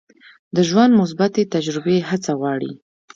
د ژوند مثبتې تجربې هڅه غواړي.